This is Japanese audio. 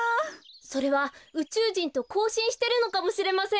それはうちゅうじんとこうしんしてるのかもしれません。